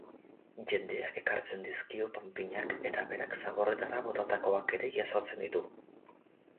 Jendeak ekartzen dizkio panpinak eta berak zaborretara botatakoak ere jasotzen ditu.